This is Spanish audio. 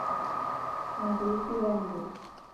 Madrid: Pirámide.